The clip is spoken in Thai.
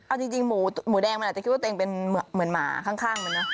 เอาจริงหมูแดงมันอาจจะคิดว่าตัวเองเป็นเหมือนหมาข้างมันนะ